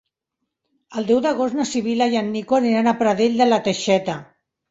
El deu d'agost na Sibil·la i en Nico aniran a Pradell de la Teixeta.